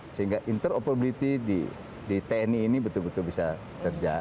sehingga interoperability di tni ini betul betul bisa terjadi